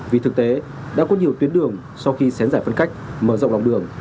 vì thực tế đã có nhiều tuyến đường sau khi xén giải phân cách mở rộng lòng đường